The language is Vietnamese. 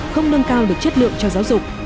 không nâng cao được chất lượng cho giáo dục